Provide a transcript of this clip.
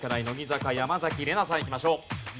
乃木坂山崎怜奈さんいきましょう。